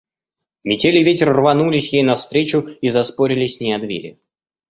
Метель и ветер рванулись ей навстречу и заспорили с ней о двери.